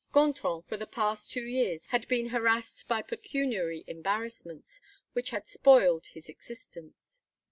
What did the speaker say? Gontran, for the past two years, had been harassed by pecuniary embarrassments which had spoiled his existence.